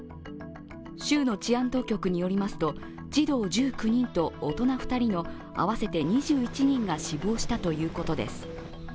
州の治安当局によりますと、児童１９人と大人２人の合わせて２１人が死亡したということです。